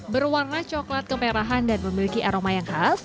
berwarna coklat kemerahan dan memiliki aroma yang khas